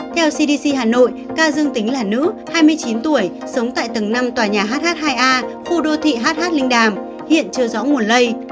theo cdc hà nội ca dương tính là nữ hai mươi chín tuổi sống tại tầng năm tòa nhà hh hai a khu đô thị hh linh đàm hiện chưa rõ nguồn lây